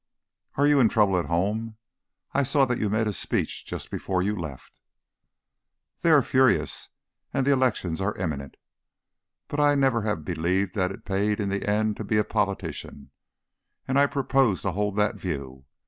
"Are you in trouble at home? I saw that you made a speech just before you left." "They are furious, and elections are imminent; but I never have believed that it paid in the end to be a politician, and I propose to hold to that view.